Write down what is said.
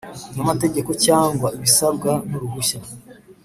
n amategeko cyangwa ibisabwa n uruhushya